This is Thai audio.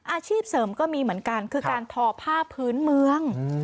อาชีพเสริมก็มีเหมือนกันคือการทอผ้าพื้นเมือง